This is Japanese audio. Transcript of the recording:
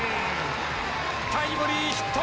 タイムリーツーヒット。